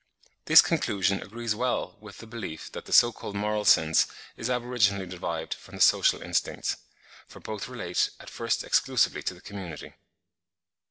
This conclusion agrees well with the belief that the so called moral sense is aboriginally derived from the social instincts, for both relate at first exclusively to the community.